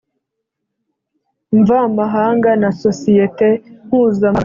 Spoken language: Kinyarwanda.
Mvamahanga na sosiyete mpuzamahanga